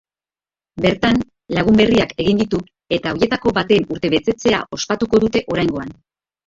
Bertan, lagun berriak egin ditu eta hoietako baten urtebetzea ospatuko dute oraingoan.